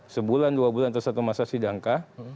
sebulan dua bulan atau satu masa sidangkah